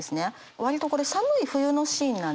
割とこれ寒い冬のシーンなんですよ。